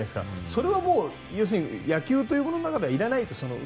それはもう、野球というものの中で入らないと。